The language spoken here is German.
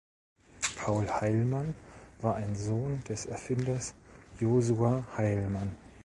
Paul Heilmann war ein Sohn des Erfinders Josua Heilmann.